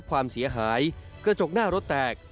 ประจบคีรีคัน